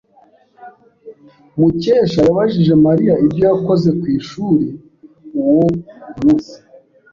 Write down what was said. Mukesha yabajije Mariya ibyo yakoze ku ishuri uwo munsi.